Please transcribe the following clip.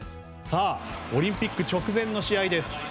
オリンピック直前の試合です。